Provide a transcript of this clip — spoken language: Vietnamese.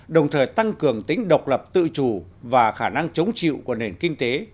đồng thời tăng cường tính độc lập tự chủ và khả năng chống chịu của nền kinh tế